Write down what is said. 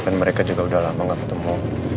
kan mereka juga udah lama gak ketemu